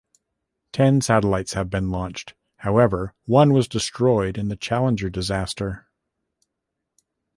Ten satellites have been launched; however, one was destroyed in the Challenger disaster.